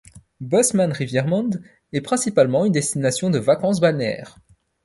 Boesmansriviermond est principalement une destination de vacances balnéaires.